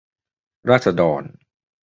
ราษฎร